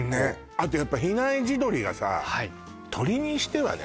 あとやっぱ比内地鶏がさ鶏にしてはね